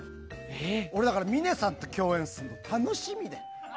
俺、だから峰さんと共演するの楽しみで。